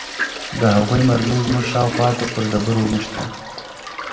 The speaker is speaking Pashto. د هغوې مرمۍ زموږ شاوخوا ته پر ډبرو مښتې.